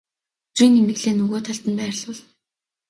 өдрийн тэмдэглэлээ нөгөө талд нь байрлуул.